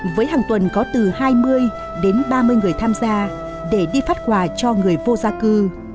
với hàng tuần có từ hai mươi đến ba mươi người tham gia để đi phát quà cho người vô gia cư